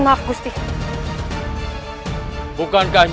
adalah utusan dari kerajaan